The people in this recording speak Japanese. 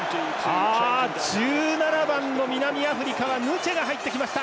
１７番の南アフリカはヌチェが入ってきました。